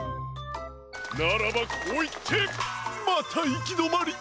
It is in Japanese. ならばこういってまたいきどまり！